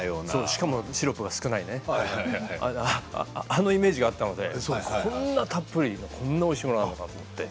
しかもシロップが少ないねあのイメージがあったのでこんなたっぷりのこんなおいしいものがあるのかと思って。